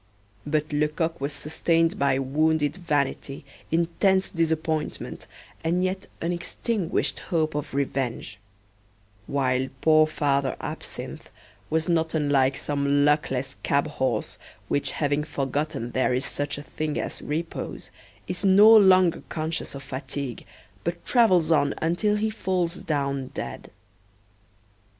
But Lecoq was sustained by wounded vanity, intense disappointment, and yet unextinguished hope of revenge: while poor Father Absinthe was not unlike some luckless cab horse, which, having forgotten there is such a thing as repose, is no longer conscious of fatigue, but travels on until he falls down dead.